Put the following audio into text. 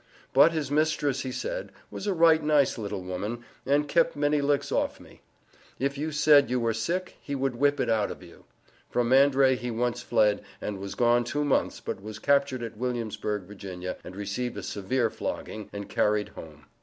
But his mistress, he said, was a "right nice little woman, and kept many licks off me." "If you said you were sick, he would whip it out of you." From Mandrey he once fled, and was gone two months, but was captured at Williamsburg, Va., and received a severe flogging, and carried home.